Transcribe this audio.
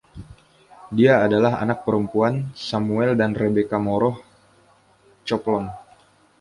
Dia adalah anak perempuan Samuel dan Rebecca Moroh Coplon.